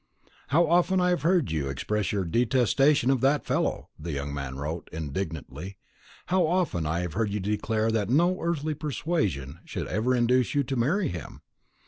"How often have I heard you express your detestation of that fellow!" the young man wrote indignantly. "How often have I heard you declare that no earthly persuasion should ever induce you to marry him!